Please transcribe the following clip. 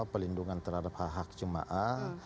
pelindungan terhadap hak hak jemaah